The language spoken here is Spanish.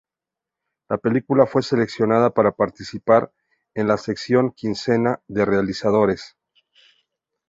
La película fue seleccionada para participar en la en la sección Quincena de Realizadores.